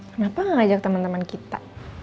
kenapa ngajak temen temen kita